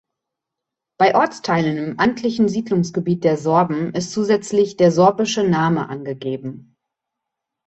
Bei Ortsteilen im amtlichen Siedlungsgebiet der Sorben ist zusätzlich der sorbische Name angegeben.